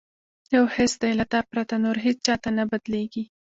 یو حس دی له تا پرته، نور هیڅ چاته نه بدلیږي